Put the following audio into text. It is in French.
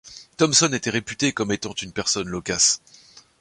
Thompson était réputé comme étant une personne loquace.